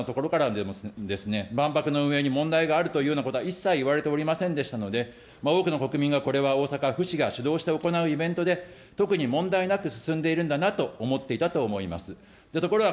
このころまで、このお２人からまたそのほかのところからでも、万博の運営に問題があるというようなことは一切言われておりませんでしたので、多くの国民がこれは大阪府市が主導して行うイベントで、特に問題なく進んでいるんだなと思っていたと思います。